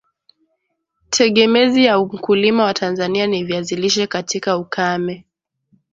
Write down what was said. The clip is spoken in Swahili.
tegemezi ya mkulima wa Tanzania ni viazi lishe katika ukame